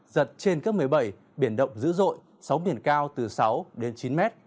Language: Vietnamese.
giật trên cấp một mươi bảy biển động dữ dội sóng biển cao từ sáu chín m